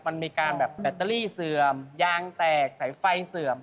มันมีการแบบแบตเตอรี่เสื่อมยางแตกสายไฟเสื่อม